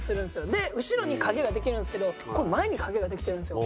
で後ろに影ができるんですけどこれ前に影ができてるんですよ。